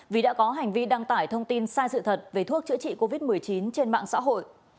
vì đã có hành vi đăng tải thông tin sai sự thật về thuốc chữa trị covid một mươi chín trên mạng xã hội